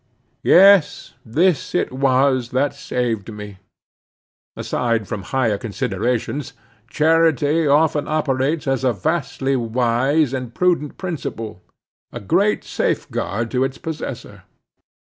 Yes, this it was that saved me. Aside from higher considerations, charity often operates as a vastly wise and prudent principle—a great safeguard to its possessor.